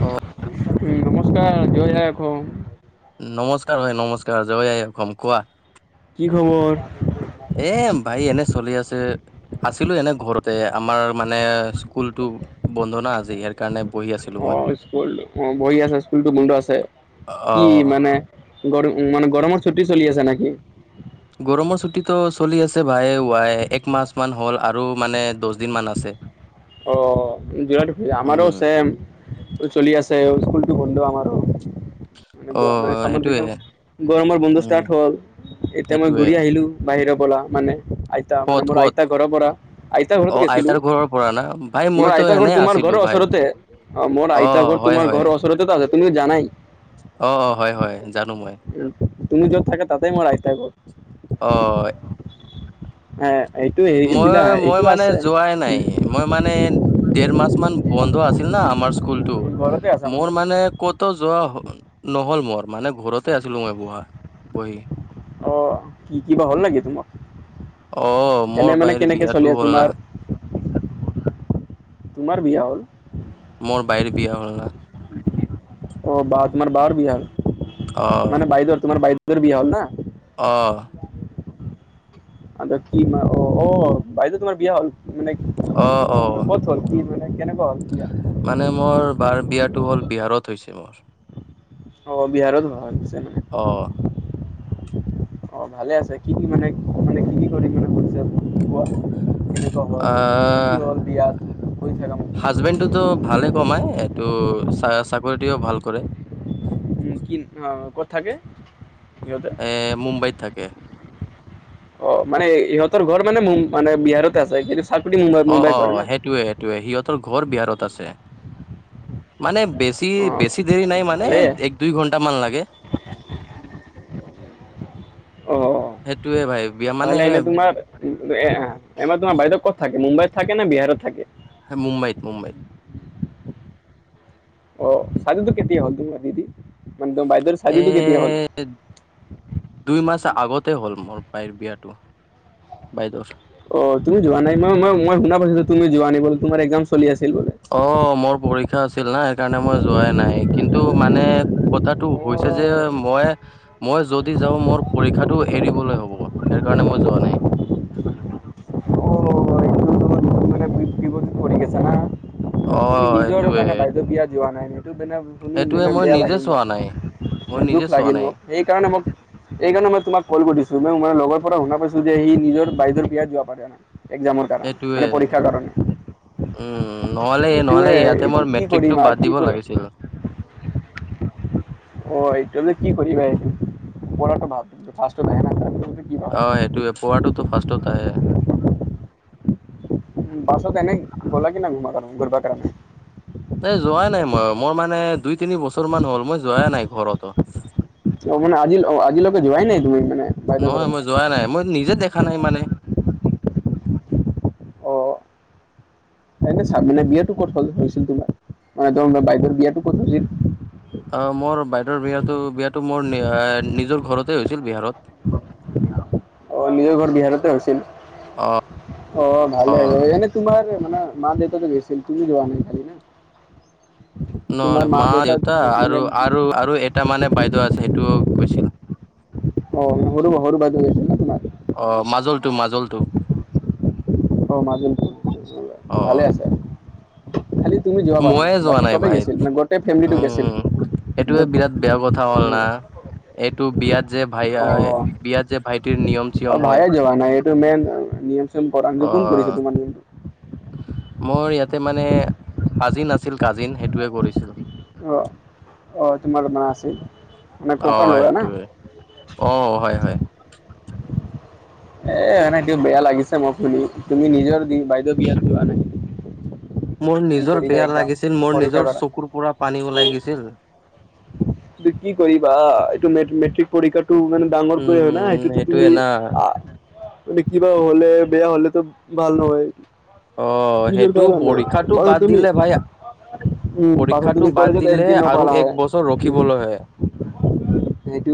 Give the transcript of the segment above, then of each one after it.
অ নমস্কাৰ জয় যখ নমস্কাৰ হয় নমস্কাৰ জ অসম কোৱা কি খবৰ এ ভাই এনে চলি আছে আছিলো এনে ঘৰতে আমাৰ মানে স্কুলতো বন্ধ ন আজ ই কাৰণে বহি আছিলো অ মই স্কুল অ বহি আছে স্কুলতটো বন্ধ আছে অ কি মানে গৰম মানে গৰমৰ ছুটি চলি আছে নেকি গৰমৰ ছুটি তটো চলি আছে ভাইে ৱাই এক মছ মান হ'ল আৰু মানে দহ দিন মান আছে অ যাই আমাৰো উম চম চলি আছে স্কুলটো বন্ধ আমাৰো মে অ সেইটোয়ে গৰমৰ বন্ধ উম ষ্টাৰ্ট হল এতিয়া মই সেইটোয়ে ঘূৰি আহিলো বাহিৰ বলা মানে আইতা ক'ত মানে মোৰ ক'ত আইতা ঘৰ পৰা আইতা ঘৰত গৈছিলো প না ভাই মোৰ মইতো আইতা এনে ঘৰ তোমাৰ আছিলো ঘৰৰ ভাই ওচৰতে অ মোৰ আইতা ঘৰ হয় তোমাৰ হয় ঘৰৰ ওচৰতেো আছে তুমি জানাই অ অ হয় হয় জানো মই উ তুমি যত থাকে তাতে মোৰ আয়তাই কৰ অ'। হে এইটোৱ। মই-মই মানে যোৱাই নাই। মই মানে দেৰ মাছ মান বন্ধ আছিল না আমাৰ স্কুলটো, ঘৰতে আছা মোৰ তুমি মানে ক'তো যোৱা নহ'ল মোৰ মানে ঘৰতে আছিলো মই বহা বহি। অ, কি কিবা হ'ল নেকি তোমাৰ? অ মোৰ এনে মানে বাইৰ কেনেকে বিয়াটো চলে হ'ল না তোমাৰ তোমাৰ বিয়া হ'ল? মোৰ বাইৰ বিয়া হ'লা। অ, বা তোমাৰ বাৰ বিয়া হ'ল, অ মানে বাইদেউৰ তোমাৰ বাইদেউৰ বিয়া হ'ল না? অঁ। কি ম অ অ বাইদেউ তোমাৰ বিয়া হ'ল মানে অ, অ। ক'ত হ'ল কি মানে কেনেকা হল কিয়া মানে মোৰ বাৰ বিয়াটো হ'ল বিহাৰত হৈছে মোৰ। অ, বিহাৰত অঁ। [inaudible] অ, ভালে আছে, কি কি মানে মানে কি কি কৰি মানে কৰিছে কোৱা? কেনেকুৱা হল, কি কি হ'ল বিয়াত, কৈ থাকি ম হাজবেণ্ডেতো ভালে কমাই এইটো চাকৰিটোও ভাল কৰে। উম, কি অ, ক'ত থাকে, সি এ মুম্বাইত থাকে। অ, মানে ইহঁতৰ ঘৰ মানে মম মানে বিহাৰতে আছে কিন্তু চাকৰি অ অ মুম্বাই-মুম্বাইত ঘৰ না? সেইটোয়ে সিহঁতৰ ঘৰ বিহাৰত আছে, মানে বেছি অ বেছি দেৰি নাই মানে ভালেই এক-দুই ঘন্টা মান লাগে। অ সেইটোয়ে ভাই বিয়া মানে নহ'লে তোমাৰ এনে তোমাৰ বাইদেউ ক'ত থাকে মুম্বাইত থাকে না বিহাৰত থাকে? মুম্বাইত-মুম্বাইত। অ, চাদুটো কেতিয়া হ'ল তোমাৰ দিদি মানে তোমাৰ বাইদেউৰ এ শাদীটো কেতিয়া হ'ল দুই মাছ আগতে হ'ল মোৰ বাইৰ বিয়াটো বাইদেউৰ। অ, তুমি যোৱা নাই মই-মই মই শুনা পাইছো তুমি যোৱা নাই বো তোমাৰ এক্সাম চলি আছিল বোলে। অঁ, মোৰ পৰীক্ষা আছিল না সেইকাৰণে মই যোৱাই নাই কিন্তু মানে কথাটো হৈছে যে অ' মই মই যদি যাওঁ মোৰ পৰীক্ষাটো এৰিবলৈ হ'ব, সেই কাৰণে মই যোৱা নাই। এইটো তোমাৰ মানে বিপদত পৰি গৈছা না। অ তুমি নিজৰ সেইটোয়ে মানে বাইদেউ বিয়াত যোৱা নাই সেইটো মানে শুনি সেইটোয়ে মানে মই বেয়া নিজে লাগিল মোক, চোৱা নাই মই নিজে দুখ চোৱা লাগিল নাই মোক সেইকাৰণে মোক এইকাৰণে মই তোমাক কল কৰি দিছো মই লগৰ পৰা শুনা পাইছো যে সি নিজৰ বাইদেৰ বিয়াত যোৱা পাৰে এক্সামৰ কাৰণে মানে সেইটোয়ে পৰীক্ষাৰ কাৰণে। উম, এইটোৱে নহ'লে-নহ'লে ইয়াতে এইটো মোৰ কি কৰিম মেট্ৰিকটো আৰু বাদ কি দিব কৰিম। লাগিছিল। অ, এইটো ন কি কৰি এইটো পঢ়াটো ভাল ফাৰ্ষ্ট অ, সেইটোয়ে পোৱাটোতো ফাৰ্ষ্টত আহে। উ পাছত এনেই গ'লা কি না ঘুমা কাৰণে ঘূৰবা কাৰণে। এ যোৱাই নাই মই, মোৰ মানে দুই-তিনি বছৰ মান হ'ল মই যোৱাই নাই ঘৰতো। অ, মানে আজি আজিলৈকে যোৱাই নাই তুমি মানে। বাইদেউৰ নহয় ঘৰত মই যোৱা নাই, মই নিজে দেখা নাই মানে। অঁ। এনে চাবিনা বিয়াাটো ক'ত হৈছিল তোমাৰ, মানে তাৰ বাইদেৰ বিয়াটো ক'ত হৈছিল? অ, মোৰ বাইদেৰ বিয়াটো, বিয়াটো মোৰ নিজৰ ঘৰতে হৈছিল বিহাৰত। অ', নিজৰ ঘৰ বিহাৰতে হৈছিল। অ', অ'। ভালে হয়, এনে তোমাৰ মানে মা দেউতা গৈছিল। তুমি যোৱা নাই খালি। না নোৱাৰে মা দেউতা আৰু, আৰু এটা মানে বাইদেউ আছে সেইটোও গৈছিল। অ', সৰু বাটো গৈছিলে ন' তোমাৰ। অ', মাজলটো মাজলটো। অ', মাজৰটো উম, অ', ভালে অ আছে। খালি তুমি যাব পাৰা নাই, ময়ে যোৱা বাকী চবেই ভাই গেছিল মানে গোটেই ফেমিলিটো গেছিল। উম। এইটোয়ে বিৰাট বেয়া কথা হ'ল না, এইটো বিয়াত যে ভাইয়াই অ বিয়াত যে ভাই অ', ভায়ে যোৱা নাই। এইটো মেইন নিয়ম চিয়ম অ [unintelligible] কোন কৰিছে তোমাৰ নিয়ম? মোৰ ইয়াতে মানে কাজিন আছিল কাজিন, সেইটোৱে কৰিছিল। অ', অ', তোমাৰ মা আছিল মানে অ ককাৰ ল'ৰা না? সেইটোৱে অ', হয়, হয়। এ, আৰেটো বেয়া লাগিছে মোৰ শুনি তুমি নিজৰ দি বাইদেউ বিয়াত যোৱা নাই। মোৰ কি নিজৰ কৰিবা বেয়া একজাম লাগিছিল, মোৰ পৰীক্ষা নিজৰ কৰা চকুৰ পৰা পানী ওলাই গেছিল। [unintelligible] কি কৰিবা, এইটো মে-মেট্ৰিক পৰীক্ষাটো ইমান ডাঙৰ কৰি হয়, ন' উম সেইটোতো সেইটোয়ে তুমি না মান কিবা হ'লে বেয়া হ'লে, বেয়া হ'লেটো ভাল নহয়। অ', নিজৰ সেইটো কাৰণে পৰীক্ষাটো পাছত বাদ তুমি দিলে ভাই উম পাছত তুমি পৰীক্ষাটো বাদ কলেজত দিলে আৰু এক বছৰ ৰখিবলৈ হয়। সেইটো,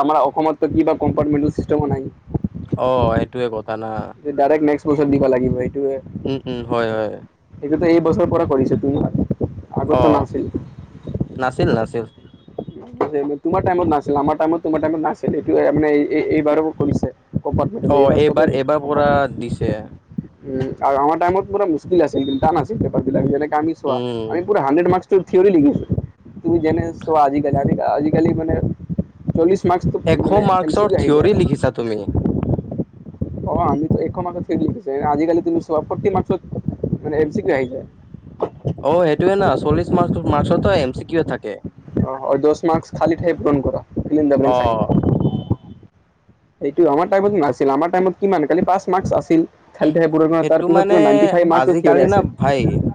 আমাৰ অসমত কিবা কম্পাৰ্মেন্তেল নাই। অ', সেইটোয়ে কথা না! ডাইৰেক্ট নেক্সট বছৰ দিব লাগিব সেইটোহে। উম, উম, হয়, হয়। এইটো এই বছৰ পৰা কৰিছে তোমাৰ। আগততো অ', নাছিল। নাছিল, নাছিল। তোমাৰ টাইমত নাছিল। আমাৰ টাইমত তোমাৰ টাইমত নাছিলে, এইটো এই মানে এই-এই এইবাৰত কৰিছে। কম্পাৰ্মেণ্টেল অ এইবাৰ চবেই এইবাৰ পৰা কম্পেৰমেন্তেল। দিছে উম, আৰু আমাৰ টাইমত মুস্কিল আছিল টান আাছিল, পেপাৰবিলাক যেনেক আমি চোৱা উম আমি পুৰা হুনড্ৰেদ মাৰ্ক্সটো থেয়ৰী লিখিছোঁ, তুমি যেনে চোৱা আজি আজিকালি মা চল্লিশ মাৰ্ক্সটো এশ মানে এন চি মাৰ্কচৰ [unintelligible] আহি যায়। [unintelligible] তুমি। অ', আমি এইখন [unintelligible] আজিকালি তুমি চোৱা ফৰ্টি মাৰ্ক্সৰ এম চি কিউ আহি যায়। [inaudible] অ', সেইটোয় না, চল্লিশ মাৰ্ক্সৰ, মাৰ্ক্সটো এম চি কিউয়ে থাকে। অ', দছ মাৰ্ক্স খালি ঠাই পূৰণ কৰা, fill in the O blanks. এইটোয়ে আমাৰ টাইমত নাছিল, আমাৰ টাইমত কিমান খালি পাঁচ মাৰ্ক্স আছিল। খালি ঠাই পূৰণৰ, সেইটো মানে তাৰভিতৰত নাইন্তি ফাইভ মাৰ্ক্সয়েই আজিকালি থিয়ৰী না ভাই আছিল।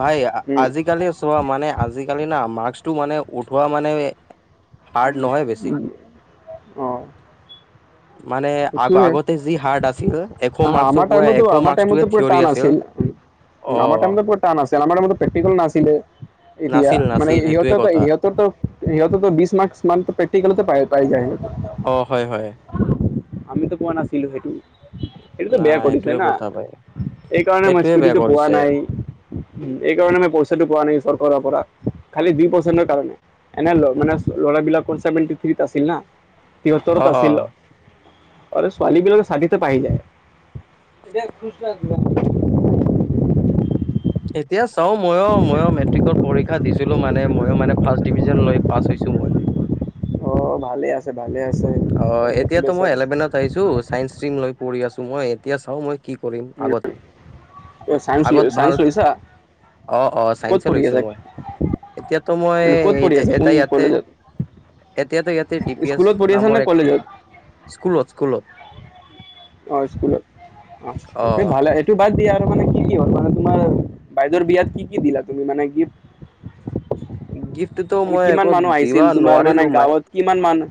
ভাই উম আজিকালি চোৱা মানে আজিকালি না, মাৰ্ক্সটো মানে উঠোৱা মানে হাৰ্ড নহয় বেছি [unintelligible] অ' মানে সেইটোৱে আগ-আগতে যি হাৰ্ড আছিল, [unintelligible] আমাৰ টাইমতো এশ আমাৰ মাৰ্কচটোৱে টাইমতো পুৰা থিয়ৰী টান আছিল, অ আমাৰ টাইমত টান আছিল আমাৰ প্ৰেক্টিকেল নাছিলে, এতিয়া নাছিল মানে নাছিল সেইটোয়ে ইহঁতৰ কথা সিঁহতৰটো সিহঁতেটো ত' বিছ মাৰ্কছ মান প্ৰেকটিকেলতে পাই, পাই যায়। অ', হয়, হয়। আমিতো পোৱা নাছিলোঁ সেইটো, সেইটোতো বেয়া নাই কৰিছে এইটোয়ে না। কথা ভাই এইকাৰণে সেইটোয়ে বেয়া ইছকুতিটো পোৱা কৰিছে নাই। উম, এইকাৰণে মই পইচাটো পোৱা নাই চৰকাৰৰ পৰা, খালি দুই পাৰ্চেন্তৰ কাৰণে। এনে মানে ল'ৰা বিলাকৰ ছেভেনটি থ্ৰীত আছিল না, সিহঁতৰো অ আছিল অ আৰু ছোৱালীবিলাকৰ সাঠিতে পাই যায়, এতিয়া [unintelligible] এতিয়া চাওঁ ময়ো, ময়ো মেট্ৰিকৰ পৰীক্ষা দিছিলোঁ মানে ময়ো মানে ফাৰ্ষ্ট ডিভিজন লৈ পাছ মই। অ', ভালে আছে, ভালে আছে, কনগ্ৰেচুলেশ্যন। চাইছো, চাইন্স ষ্ট্ৰীম লৈ পঢ়ি আছো মই, এতিয়া চাওঁ মই কি কৰিম আগত। চা আগত ভাল চাইন্স লৈছা? অ, অ', ক'ত চাইন্সে পঢ়ি লৈছোঁ আছা মই, এতিয়াটো মই, মানে ক'ত পঢ়ি আছা কোন এটা, ইয়াতে কলেজত এতিয়াটো ইয়াতে ডি পি এছ, স্কুলত পঢ়ি আছা নামৰ নে এক কলেজত স্কুলত, স্কুলত। অ ', স্কুলত, অ', ভালে সটো বাদ দিয়া [unintelligible] আৰু মানে কি কি হল মানে তোমাৰ বাইদেউৰ বিয়াত কি কি দিলা তুমি মানে গ গিফ্টোটো মানে কিমান মানুহ আহিছিল? তোমাৰ মানে গাঁৱত কিমান মানুহ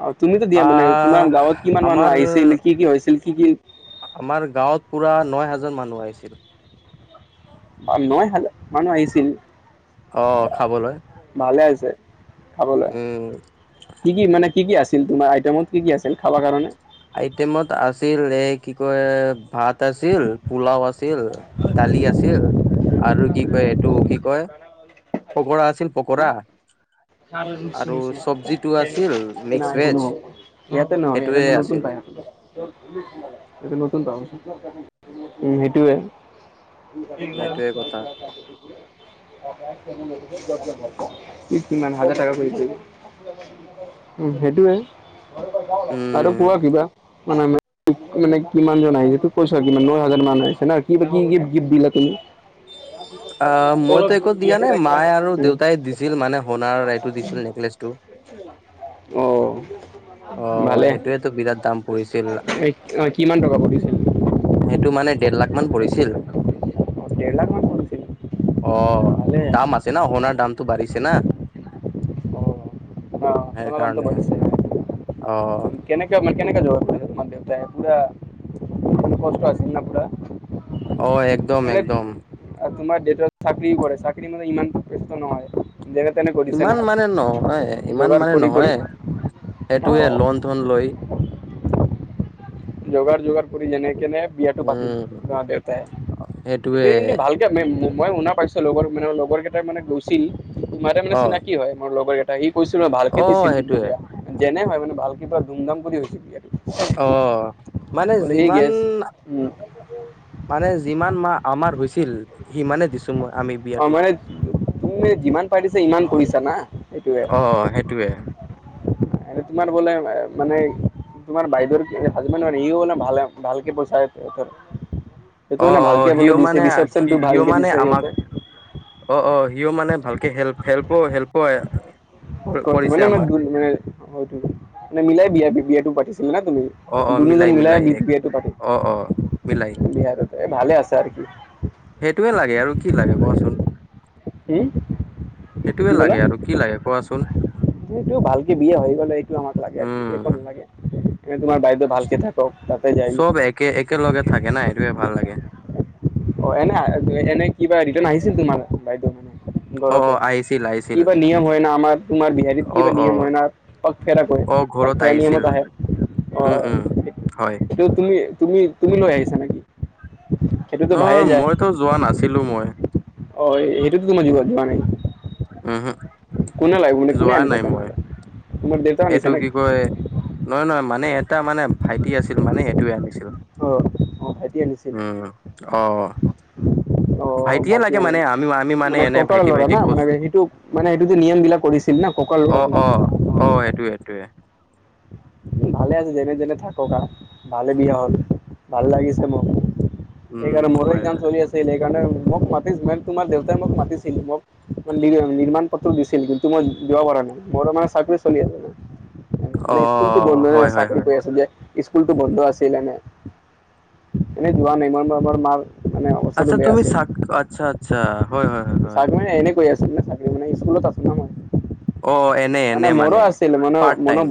অ ', তুমিটো দিয়া মানে, তোমাৰ আহ গাঁৱত কিমান আমাৰ মানুহ আহিছিল, কি কি হৈছিল, কি কি? আমাৰ গাঁৱত পুৰা ন হাজাৰ মানুহ আহিছিল। বা, ন' হাজাৰ মানুহ আহিছিল? অ', খাবলৈ। ভালে আছে খাবলৈ, উম কি কি মানে কি কি আছিল, তোমাৰ আইটেমত কি কি আছিল, খাব কাৰণে। আইটেমত আছিল, কি কয় ভাত আছিল, পোলাও আছিল, দালি আছিল আৰু কি কয় টো কি কয়, পকৰা আছিল পকৰা। চছে আৰু চব্জিটো আছিল [unintelligible] মিক্স নাই ভেজ ইয়াতে ন এ সেইটোয়ে [unintelligible] নতুন আছিল পায়, এইটো নতুন, সেইটোৱে। সেইটোয়ে কথা [unintelligible] কি কিমান হাজাৰ কৰিছে, উম সেইটোৱে। আৰু উম কোৱা কিবা, মানে মানে কিমান জন আহিছে, তোক কৈছ [unintelligible] আৰু কি ন' হাজাৰ মানুহ আহিছে না, কি গিফট দিলা তুমি [unintelligible] অ ', মইটো একো দিয়া নাই, মায়ে আৰু দেউতাই দিছিল মানে সোণাৰ এইটো দিছিল, নেকলেচটো। অঁ। অ ভালে সেইটোয়েতো বিৰাট দাম পৰিছিল অ ', কিমান টকা পৰিছিল। সেইটো মানে দেৰ লাখ মান পৰিছিল। অ দেৰ লাখ মান পৰিছিল অ', ভালে দাম আছে ন', সোণাৰ দামটো বাঢ়িছে না। অ', সোনৰ দামটো ব়াঢ়িছে। অঁ। কেনেকে মানে, কেনেকৈ জ মান দেত পুৰা [unintelligible] কষ্ট আছিল ন' পুৰা। অ', একদম, একদম। আৰু তোমাৰ দেউতা চাকৰি কৰে, চাকৰিৰ মতে ইমান ব্যস্ত নহয়। যেনে তেনে কৰিছে ইমান না মানে নহয়, ইমান যোগাৰ মানে কৰি কৰি নহয়, সেইটোযৱে অ লোন থন লৈ। যোগাৰ জোগাৰ কৰি, যেনে তেনে বিয়াটো পাতিল উম মা দেউতাই, সেইটোৱে সেটোৱে কিন্তু ভাল এ, মই শুনা পাইছোঁ, লগৰ মানে লগৰ কেইটাই মানে গৈছিল, তোমাৰ মানে অ চিনাকি হয় মোৰ লগৰ ত সি কৈছিল মানে, ভালকে অ দিছিল কিন্তু সেইটোৱে বেয়া যেনে হয়, মানে ভালকে ধুমধাম কৰি হৈছিল। অ', মানে বোলে সি যিমান গেছ উম মানে যিমান মাহ আমাৰ হৈছিল, সিমানে দিছোঁ মই। আমি অ', বিয়াটো মানে তুমি যিমান পাৰা দিছা ইমান কৰিছা না সেইটোৱে। অ', সেইটোৱে। এ, তোমাৰ বোলে মানে তোমাৰ বাইদেউ হাজবেণ্ড, ইয়ো মনে ভালে ভালকে পইচা সেইটো অ মানে অ ভালকে বোলে সিও দিছে, মানে সি ৰিচেপশ্যনটো সিও ভালকে মানে দিছে, আমাক সিহঁতে। অ, অ', সিও মানে ভালকে হেল্প, হেল্প, হেল্প মানে, মান মানে হয়ত [unintelligible] মানে মিলাই বিয়া বিয়াটো পাতিছিল না তুমি। অ অ দুনোজন মিলাই বিধ এক এইটো পাতিম, অ অ মিলাই বিহাৰতে এ, ভালে আছে আৰু কি। সেইটোৱে লাগে আৰু কি লাগে কোৱাচোন। এই সেইটোৱে কি ক'লা? লাগে আৰু কি লাগে কোৱাচোন সেইটো ভালকে বিয়া হৈ গ'লে, এইটো আমাক লাগে আৰু একো উম নালাগে। এ, তোমাৰ বাইদো ভালকে থাকক তাতে যায়। চব একে একেলগে থাকে না সেইটোয়ে ভাল লাগে। অ' এনে এনে কিবা ৰিটাণ আহিছিল তোমাৰ বাইদেউৰ মানে? অ অ ঘৰতে, আহিছিল আহিছিল কি বা নিয়ম হয় না, আমাৰ তোমাৰ বিহাৰীত অ কি বা অ নিয়ম হয় ন'? পগ ফেৰা কৈ, অ পগ ঘৰত ফেৰা আহিছিল নিয়মত আহে। উম, উম, হয়। ত' তুমি তুমি তুমি লৈ আহিছা নেকি? সেইটোতো ভায়ে নয়, যায় মইতো যোৱা নাছিলো মই। অ' এইটোত কোনো যুৱ যোৱা নাই। উমহো কোনে লাগ বুলিনে, কোনে যোৱা আনিছে নাই মই তেনেহ'লে? তোমাৰ দেউতা এইটো আনিছে কি নেকি কয়, নহয় নহয় মানে এটা মানে ভাইটি আছিল মানে এইটোয়ে আনিছি অ', অ' ভাইটি আনিছিল? অ অ' ভাইটিয়ে ভাইটি লাগে মানে আমি আমি মানে এনে ককাৰ ভাইটি ল'ৰা ভাইটি না মানে কৈছো সেইটো মানে সেইটোত নিয়মবিলাক কৰিছে খিদিনা ককাৰ অ ল'ৰাটো। অ অ' এইটোয়ে এইটোয়ে। ভালে আছে যেনেতেনে থাকক, ভালে বিয়া হ'ল, ভাল লাগিছে মোক। এক উম আৰু মোৰো হেই হয় কাম হয় চলি আছিল সেইকাৰণে মোক মাতিছিল মানে তোমাৰ দেউতাই মোক মাতিছিল মোক নিৰ্মাণ পত্ৰ দিছিল কিন্তু মই দিব পৰা নাই, মোৰো মানে চাৰটে চলি আছে মানে। অ'। কি বন্ধনে হয় হয় চাকৰি হয় কৰি আছোঁ যে। স্কুলটো বন্ধ আছিল এনে। এনেই যোৱা নাই মই মোৰ মাৰ মানে অৱস্থাটো আচ্ছা তুমি চাক, আচ্ছা আচ্ছা, হয় হয়। হয় হয় চাক মানে এনে কৰি আছোঁ মানে চাকৰি মানে স্কুলত আছোঁ ন' মই। অ এনে এনে মানে মোৰো আছিল মানে পাৰ্ট মন টাইম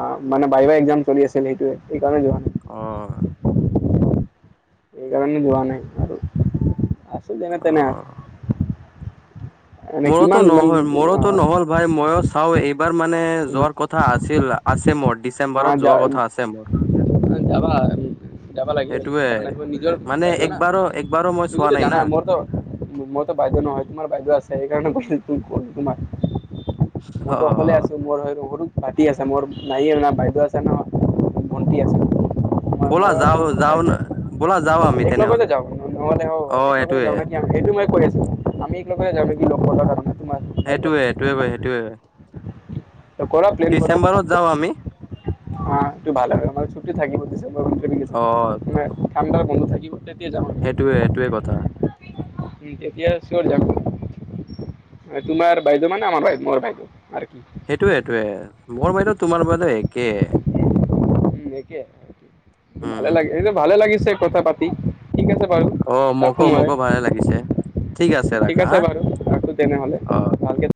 অ' মানে বাইবা এক্সাম চলি আছিল, সেইটোৱে সেইকাৰণে যোৱা নাই। অ সেইকাৰণে যোৱা নাই আৰু, আছোঁ অ যেনেতেনে আছ মৰোতো কিমান নহয়, মৰোতো মানে নহ'ল। ভাই ময়ো চাও, এইবাৰ মানে অ যোৱাৰ কথা আছিল আছে মোৰ ডিছ চেম্বাৰত যোৱা কথা আছে মোৰ। অ' যাবা যাবা লাগে, সেইটোয়ে মানে নিজৰ মানে বাইদেউ না, একবাৰো একবাৰো মই চোৱা তুমিতো নাই জানা না মোৰতো মইতো বাইদেউ নহয়, তোমাৰতো বাইদেউ আছে সেইকাৰণে কৈ কলোঁ তোমাক। অ মইতো অকলে আছোঁ, মোৰ সৰু ভাইটিৰ আছে, মোৰ নাই আৰু না। না বাইদেউ আছে না বণ্টি আছে। ব'লা ময়ো যাও আৰু মোৰ যাও ভাইটি ন আছে, ব'লা যাও আমি এক লগতে তেনেহলে যাওঁ নহ'লে অ হয়, এক লগতে এইটোয়ে যাওঁ নেকি সেইটো মই কৈ আছোঁ, আমি এক লগতে যাওঁ নেকি, লগ পাবৰ কাৰনে তোমাৰ বাইদেউক। সেইটোয়ে সেইটোয়ে সেইটোয়ে [inaudible] ডিচেম্বৰত যাওঁ আমি। অ' এইটো ভাল হয়, আমাৰ ছুটি থাকিব দিছে অ [unintelligible] ঠাণ্ডাৰ বন্ধ থাকিব তেতিয়া যাম আমি। সেইটোৱে, সেইটোৱে কথা। উম, তেতিয়া চিউৰ যাম। তোমাৰ বাইদেউ মানে আমাৰ বাইদে মোৰ বাইদেউ আৰ কি। সেইটোৱে সেইটোৱে, মোৰ বাইদেউ তোমাৰ বাইদেউ একে। উম একে, উম ভালে লাগ এইযে ভালে লাগিছে কথা পাতি। ঠিক আছে বাৰু, অ ৰাখোঁ মোকো মই। মোকো ভালে লাগিছে ঠিক আছে বাৰু একো তেনে হলে অ ভালকে